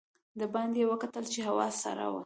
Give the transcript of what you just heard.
د باندې یې وکتل چې هوا سړه وه.